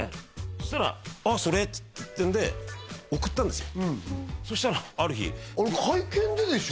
そしたらあっそれってんで送ったんですよそしたらある日会見ででしょ？